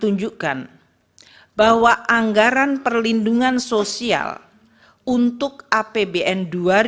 tunjukkan bahwa anggaran perlindungan sosial untuk apbn dua ribu dua puluh